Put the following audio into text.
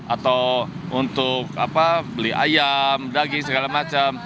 atau untuk beli ayam daging segala macam